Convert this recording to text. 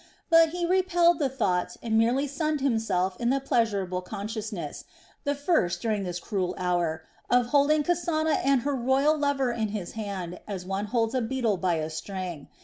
But he repelled the thought and merely sunned himself in the pleasurable consciousness the first during this cruel hour of holding Kasana and her royal lover in his hand as one holds a beetle by a string.